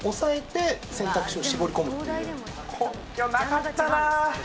根拠なかったな。